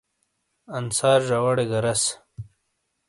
انصار زاواڑے گہ رَس۔